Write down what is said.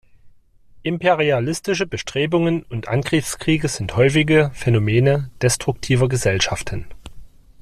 Imperialistische Bestrebungen und Angriffskriege sind häufige Phänomene destruktiver Gesellschaften.